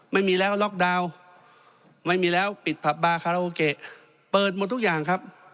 ไม่มีแล้วล็อกดาวน์ไม่มีแล้วปิดผับบาคาราโอเกะเปิดหมดทุกอย่างครับ